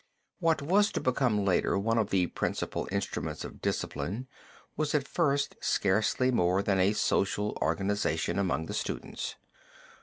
What was to become later one of the principal instruments of discipline was at first scarcely more than a social organization among the students.